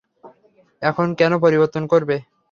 এখন কেন পরিবর্তন করবে?